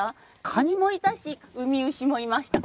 カニもいたしウミウシもいました。